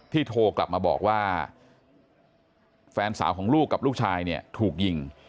โทรกลับมาบอกว่าแฟนสาวของลูกกับลูกชายเนี่ยถูกยิง